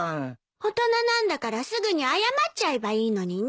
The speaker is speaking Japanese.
大人なんだからすぐに謝っちゃえばいいのにね。